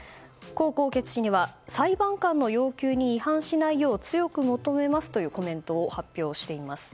江宏傑氏には裁判官の要求に違反しないよう強く求めますというコメントを発表しています。